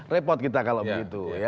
repot kita kalau begitu